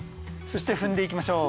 そして踏んでいきましょう。